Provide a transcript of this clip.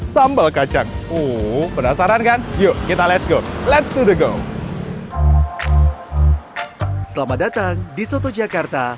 sambal kacang uh penasaran kan yuk kita let s go let s to the go selamat datang di soto jakarta